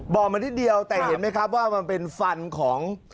บ่อมานิดเดียวแต่เห็นไหมครับว่ามันเป็นฟันของ